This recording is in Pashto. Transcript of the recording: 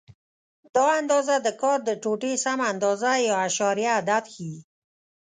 دا اندازه د کار د ټوټې سمه اندازه یا اعشاریه عدد ښیي.